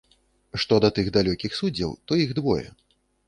Што да тых, далёкіх, суддзяў, то іх двое.